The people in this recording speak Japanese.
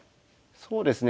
そうですね。